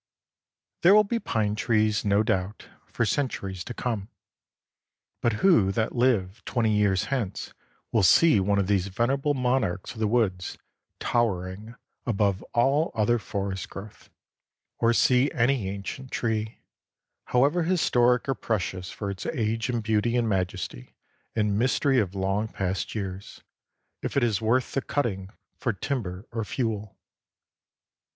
There will be pine trees, no doubt, for centuries to come, but who that live twenty years hence will see one of these venerable monarchs of the woods towering above all other forest growth, or see any ancient tree, however historic or precious for its age and beauty and majesty and mystery of long past years, if it is worth the cutting for timber or fuel?